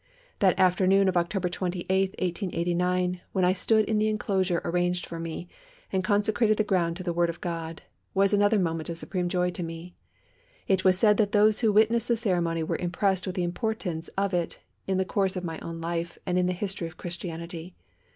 That afternoon of October 28, 1889, when I stood in the enclosure arranged for me, and consecrated the ground to the word of God, was another moment of supreme joy to me. It was said that those who witnessed the ceremony were impressed with the importance of it in the course of my own life and in the history of Christianity.